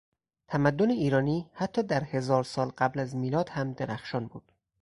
تمدن ایرانی حتی در هزار سال قبل از میلاد هم درخشان بود.